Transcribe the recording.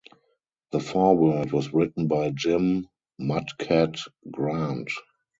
The foreword was written by Jim "Mudcat" Grant.